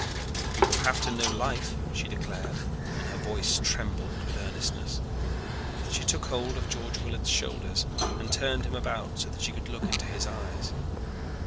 "You will have to know life," she declared, and her voice trembled with earnestness. She took hold of George Willard's shoulders and turned him about so that she could look into his eyes.